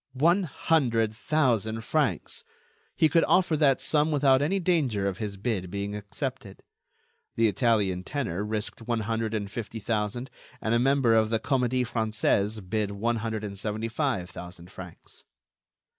One hundred thousand francs! He could offer that sum without any danger of his bid being accepted. The Italian tenor risked one hundred and fifty thousand, and a member of the Comédie Française bid one hundred and seventy five thousand francs.